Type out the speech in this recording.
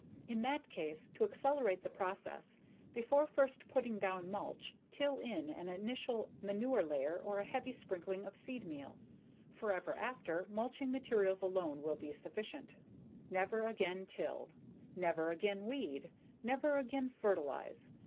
In that case, to accelerate the process, before first putting down mulch till in an initial manure layer or a heavy sprinkling of seed meal. Forever after, mulching materials alone will be sufficient. Never again till. Never again weed. Never again fertilize.